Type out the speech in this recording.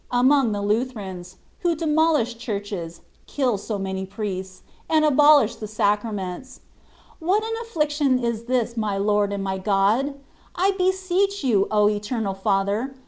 among the Lutherans, who demolish churches, kill so many priests, and abolish] the Sacra ments. What an affliction is this, my Lord and my God ! I beseech You, O Eternal Father